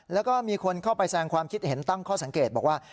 แล้วก็มีคนเข้าไปแสงความคิดเห็นตั้งข้อสังเกตบอกว่า